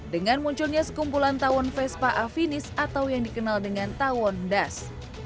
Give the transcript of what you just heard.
dengan munculnya sekumpulan tawon vespa afinis atau yang dikenal dengan tawon das